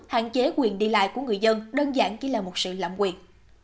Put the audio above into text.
hạn chế quyền đi lại của người dân đơn giản chỉ là một sự lạm quyền